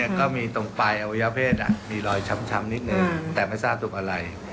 ก็มีตรงปลายอวัยเพศมีรอยช้ำนิดหนึ่งแต่ไม่ทราบถูกอะไร